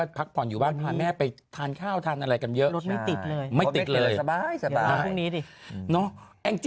ถ้าพักผ่อนอยู่บ้างของแม่ไปทานข้าวทานอะไรกันเยอะและไม่ติดเลยก็ใน